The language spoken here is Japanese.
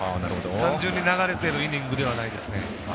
単純に流れてるイニングではないですね。